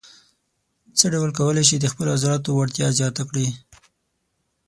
څه ډول کولای شئ د خپلو عضلاتو وړتیا زیاته کړئ.